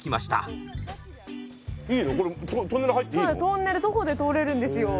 トンネル徒歩で通れるんですよ。